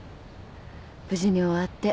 無事に終わって。